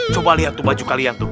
coba lihat tuh baju kalian tuh